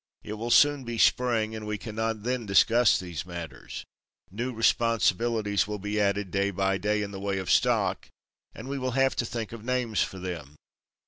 It will soon be Spring, and we cannot then discuss these matters. New responsibilities will be added day by day in the way of stock, and we will have to think of names for them.